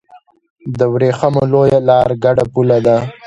د ورېښمو لویه لار ګډه پوله ده.